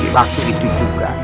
waktu itu juga